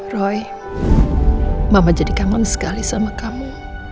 roy mama jadi kangen sekali sama kamu